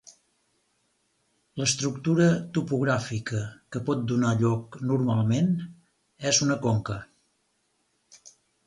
L'estructura topogràfica que pot donar lloc normalment és una conca.